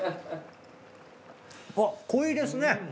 あっ濃いですね。